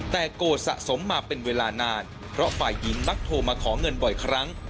แต่โกรธสะสมมาเป็นเวลานานเพราะฝ่ายหญิงมักโทรมาขอเงินบ่อยครั้ง